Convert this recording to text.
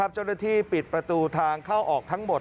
เจ้าหน้าที่ปิดประตูทางเข้าออกทั้งหมด